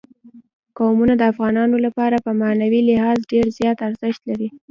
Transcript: قومونه د افغانانو لپاره په معنوي لحاظ ډېر زیات ارزښت لري.